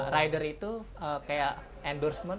rider itu kayak endorsement